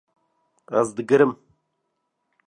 Ez digirim